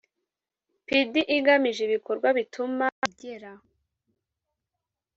pdi igamije ibikorwa bituma igera